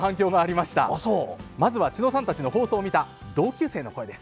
まずは千野さんたちの放送を見た同級生の声です。